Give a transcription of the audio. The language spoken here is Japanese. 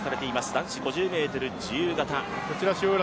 男子５０ｍ自由形。